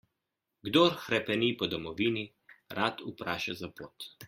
Kdor hrepeni po domovini, rad vpraša za pot.